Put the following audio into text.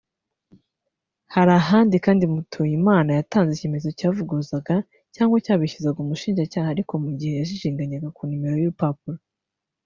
Hari ahandi kandi Mutuyimana yatanze ikimenyetso cyavuguruzaga cyangwa cyabeshyuzaga umushinjacyaha ariko mu gihe yajijinganyaga ku nimero y’urupapuro